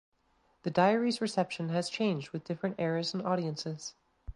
The diary’s reception has changed with different eras and audiences.